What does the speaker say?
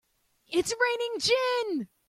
It's raining gin!